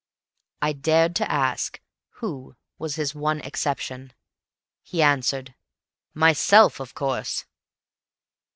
I dared to ask who was his one exception. He answered, "Myself, of course."